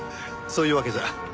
そういうわけじゃ。